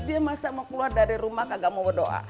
dia masa mau keluar dari rumah kagak mau berdoa